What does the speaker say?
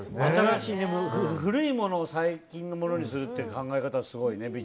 新しいね、古いものを最近のものにするって考え方はすごいね。